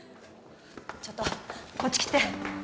ちょっとこっち来て